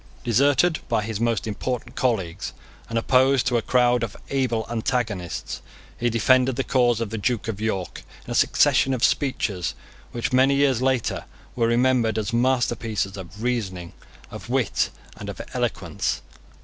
Deserted by his most important colleagues, and opposed to a crowd of able antagonists, he defended the cause of the Duke of York, in a succession of speeches which, many years later, were remembered as masterpieces of reasoning, of wit, and of eloquence.